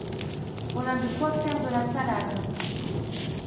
Voilà de quoi faire de la salade.